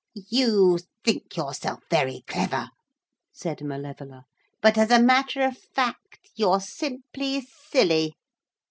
'You think yourself very clever,' said Malevola, 'but as a matter of fact you're simply silly.